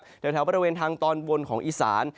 แถวบริเวณทางตอนบนของอีสาน